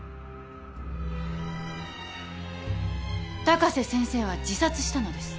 高瀬先生は自殺したのです。